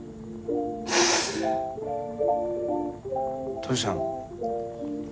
どうしたの？